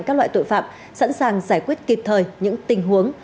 các loại tội phạm sẵn sàng giải quyết kịp thời những tình huống